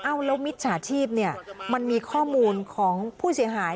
แล้วมิจฉาชีพเนี่ยมันมีข้อมูลของผู้เสียหาย